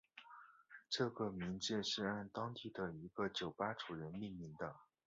这个名字是按当地的一个酒吧主人命名的。